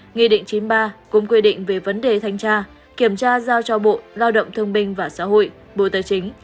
nghị định chín mươi ba cũng quy định về vấn đề thanh tra kiểm tra giao cho bộ lao động thương binh và xã hội bộ tài chính